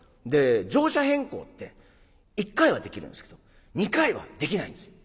乗車変更って１回はできるんですけど２回はできないんですよ。